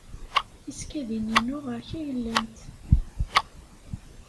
Tisekkadin-inu ɣer-k ay llant.